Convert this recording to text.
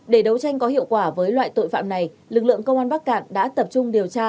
để đấu tranh có hiệu quả với loại tội phạm này lực lượng công an bắc cạn đã tập trung điều tra